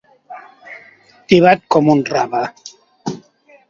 Tibat com un rave.